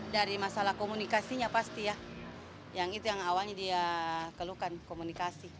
dari masalah komunikasinya pasti ya yang itu yang awalnya dia keluhkan komunikasi